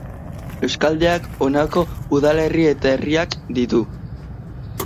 Eskualdeak honako udalerri eta herriak ditu.